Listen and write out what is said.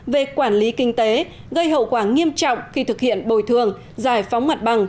về quản lý kinh tế gây hậu quả nghiêm trọng khi thực hiện bồi thường giải phóng mặt bằng